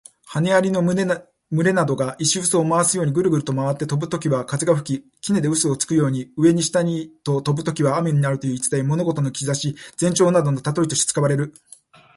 羽蟻の群れなどが石臼を回すようにぐるぐると回って飛ぶときには風が吹き、杵で臼をつくように、上に下にと飛ぶときには雨になるという言い伝え。物事の兆し、前兆などの例えとして使われる。